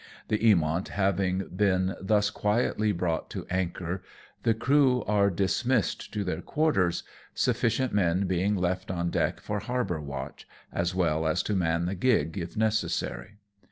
The Eamont having been thus quietly brought to anchor, the crew are dismissed to their quarters, JVi: SAIL FOR NAGASAKI. 125 sufficient men being left on deck for harbour watch, as well as to man the gig if necessary.